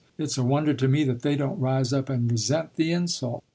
It's a wonder to me that they don't rise up and resent the insult."